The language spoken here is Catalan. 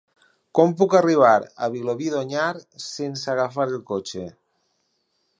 Com puc arribar a Vilobí d'Onyar sense agafar el cotxe?